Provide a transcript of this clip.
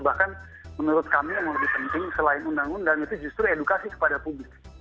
bahkan menurut kami yang lebih penting selain undang undang itu justru edukasi kepada publik